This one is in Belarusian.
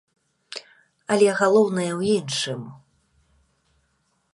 Але галоўнае ў іншым.